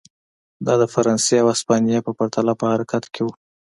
دا د فرانسې او هسپانیې په پرتله په حرکت کې و.